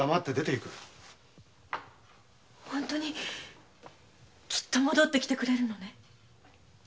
本当にきっと戻ってきてくれるのね。